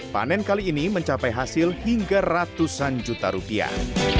panen kali ini mencapai hasil hingga ratusan juta rupiah